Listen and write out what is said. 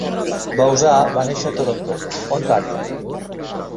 Bauza va néixer a Toronto, Ontario.